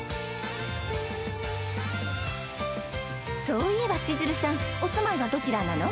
そういえば千鶴さんお住まいはどちらなの？